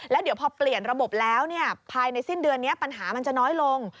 แล้วเดี๋ยวพอเปลี่ยนระบบแล้วภายในสิ้นเดือนนี้ปัญหามันจะน้อยลง